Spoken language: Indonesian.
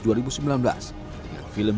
dengan film yang berhasil mencapai pilihan